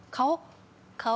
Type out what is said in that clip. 顔？